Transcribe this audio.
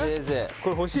これ欲しい？